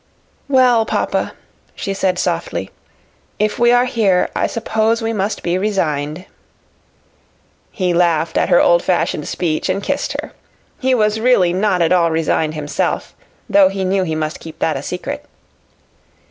"Well, papa," she said softly, "if we are here I suppose we must be resigned." He laughed at her old fashioned speech and kissed her. He was really not at all resigned himself, though he knew he must keep that a secret.